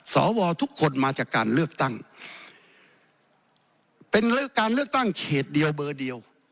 สวทุกคนมาจากการเลือกตั้งเป็นการเลือกตั้งเขตเดียวเบอร์เดียว